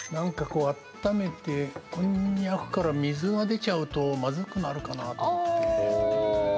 あっためてこんにゃくから水が出ちゃうとまずくなるかなと。